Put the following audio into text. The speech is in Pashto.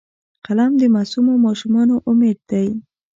قلم د معصومو ماشومانو امید دی